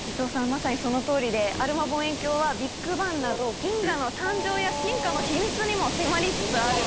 まさにそのとおりでアルマ望遠鏡はビッグバンなど銀河の誕生や進化の秘密にも迫りつつある。